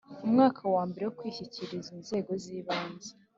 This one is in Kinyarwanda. Umwaka wa mbere wo kwishyikiriza inzego zibanze